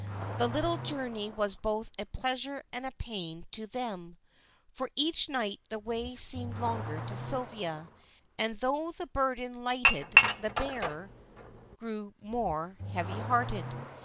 The little journey was both a pleasure and pain to them, for each night the way seemed longer to Sylvia, and though the burden lightened the bearer grew more heavy hearted.